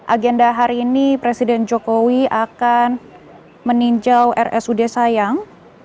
agenda hari ini presiden jokowi akan meninjau rsud sayang